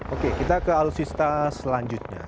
oke kita ke alutsista selanjutnya